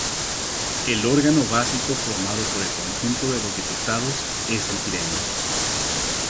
El órgano básico formado por el conjunto de los diputados es el pleno.